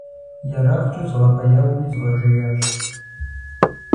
Ерагъкӏэ згъэбэяури згъэжеящ.